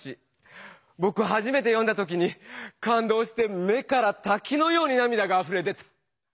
ぼくはじめて読んだ時にかんどうして目からたきのようになみだがあふれ出た！